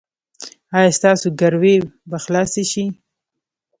ایا ستاسو ګروي به خلاصه شي؟